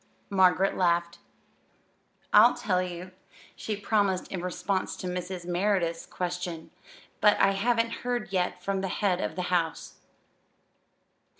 Margaret laughed. "I'll tell you," she promised in response to Mrs. Merideth's question; "but I haven't heard yet from the head of the house."